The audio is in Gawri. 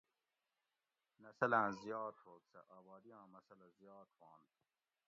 نسلاٞں زیات ہوگ سٞہ آبادی آں مسٔلہ زیات ہوانت